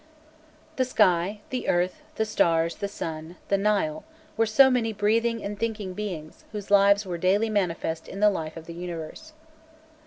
The sky, the earth, the stars, the sun, the Nile, were so many breathing and thinking beings whose lives were daily manifest in the life of the universe.